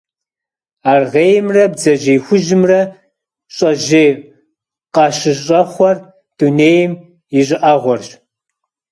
Аргъеймрэ бдзэжьей хужьымрэ щӀэжьей къащыщӀэхъуэр дунейм и щӀыӀэгъуэрщ.